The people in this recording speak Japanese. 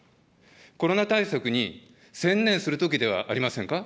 コロナ対策に専念するときではありませんか。